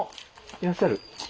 いらっしゃる。